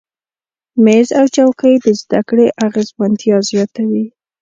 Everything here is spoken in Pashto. میز او چوکۍ د زده کړې اغیزمنتیا زیاتوي.